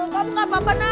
kamu gak apa apa nah